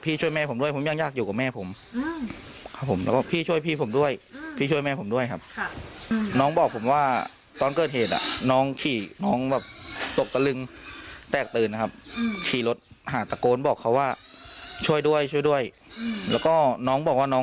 เพื่อไปแจ้งว่ามีเหตุเสริมขึ้นครับผม